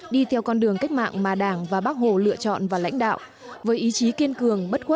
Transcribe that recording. đi theo con đường cách mạng mà đảng và bác hồ lựa chọn và lãnh đạo